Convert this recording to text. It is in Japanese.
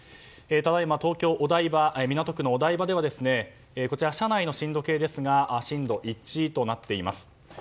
ただいま東京・港区のお台場では社内の震度計ですが震度１となっています。